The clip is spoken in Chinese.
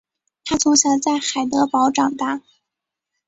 他从小在海德堡长大。